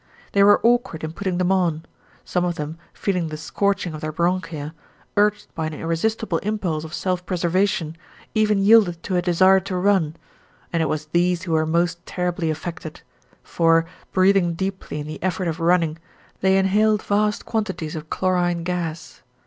They were awkward in putting them on; some of them, feeling the scorching of their bronchia, urged by an irresistible impulse of self preservation, even yielded to a desire to run, and it was these who were most terribly affected, for, breathing deeply in the effort of running, they inhaled vast quantities of chlorine gas.